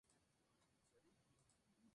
Es hecho por el contador.